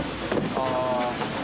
ああ。